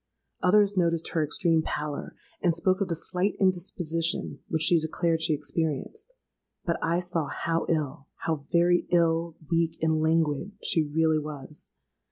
Others noticed her extreme pallor, and spoke of the slight indisposition which she declared she experienced: but I saw how ill—how very ill, weak, and languid she really was.